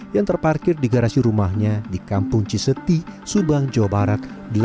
yang terparkir di garasi rumahnya di kampung ciseti subang jawa barat